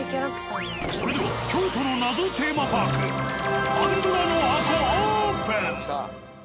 それでは京都の謎テーマパークパンドラの箱オープン！